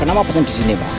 kenapa pesan di sini pak